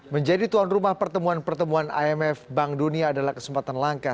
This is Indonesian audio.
menjadi tuan rumah pertemuan pertemuan imf bank dunia adalah kesempatan langka